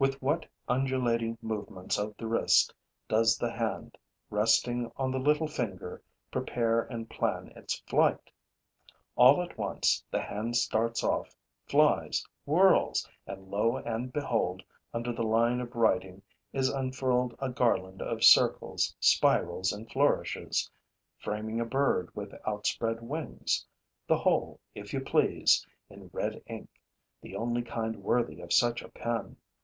With what undulating movements of the wrist does the hand, resting on the little finger, prepare and plan its flight! All at once, the hand starts off, flies, whirls; and, lo and behold, under the line of writing is unfurled a garland of circles, spirals and flourishes, framing a bird with outspread wings, the whole, if you please, in red ink, the only kind worthy of such a pen.